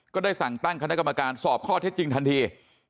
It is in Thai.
ก็ได้สั่งตั้งคณะกรรมการสอบข้อเท็จจริงทันที